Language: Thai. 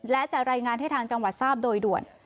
และจะรายงานให้ทางจังหวัดทราบโดยด่วน